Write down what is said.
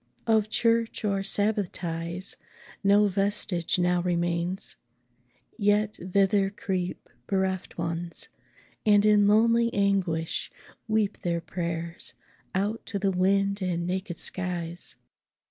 Of church, or sabbath ties, 5 No vestige now remains; yet thither creep Bereft Ones, and in lowly anguish weep Their prayers out to the wind and naked skies.